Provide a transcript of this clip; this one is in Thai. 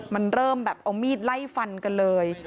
มันเริ่มแบบเอามีดไล่ฟันกันเลย